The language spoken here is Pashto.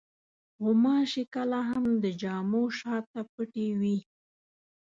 غوماشې کله هم د جامو شاته پټې وي.